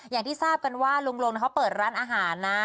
อย่างที่ทราบกันว่าลุงลงเขาเปิดร้านอาหารนะ